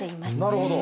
なるほど。